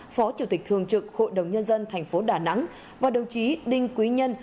phó chủ tịch thường trực hội đồng nhân dân tp đà nẵng và đồng chí đinh quý nhân